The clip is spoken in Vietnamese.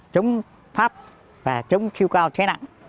chống pháp và chống chiêu cao xe nặng